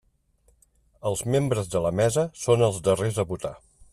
Els membres de la mesa són els darrers a votar.